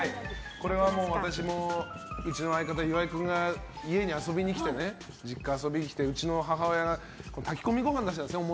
これは私もうちの相方、岩井君が実家に遊びに来てうちの母親が炊き込みご飯を出したんですね。